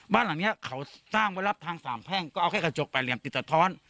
บ้านหลังนี้เขาสร้างไว้รับทางสามแพ่งก็เอาแค่กระจกแปดเหลี่ยมติดสะท้อน